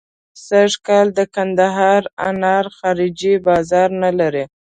سږکال د کندهار انار خارجي بازار نه لري.